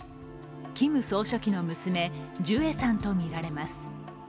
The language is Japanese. キム総書記の娘・ジュエさんとみられます。